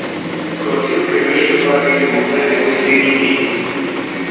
کۆتر و کەروێشکم ڕاگرتبوو، هەر دەبوو سەیری بکەی!